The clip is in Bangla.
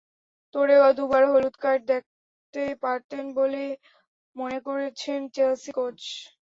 তোরেও দুবার হলুদ কার্ড দেখতে পারতেন বলে মনে করছেন চেলসি কোচ।